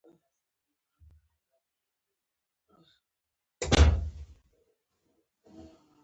زه د پټیو نرمه بڼه خوښوم.